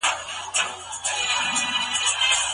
علمي او ټولنیزو څېړنو ته ارزښت ورکړئ.